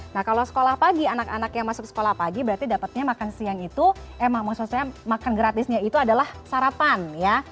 nah kalau sekolah pagi anak anak yang masuk sekolah pagi berarti dapatnya makan siang itu emang maksud saya makan gratisnya itu adalah sarapan ya